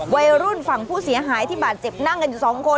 วัยรุ่นฝั่งผู้เสียหายที่บาดเจ็บนั่งกันอยู่สองคน